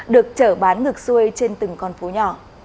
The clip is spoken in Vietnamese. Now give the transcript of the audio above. được trở bán ngược xuôi trên từng con phố nhỏ